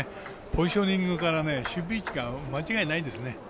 ポジショニングから守備位置間違いないですね。